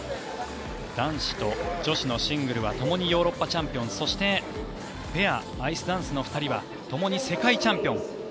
男子と女子のシングルはともにヨーロッパチャンピオンそしてペア、アイスダンスの２人はともに世界チャンピオン。